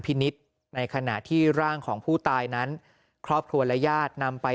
นิษฐ์ในขณะที่ร่างของผู้ตายนั้นครอบครัวและญาตินำไป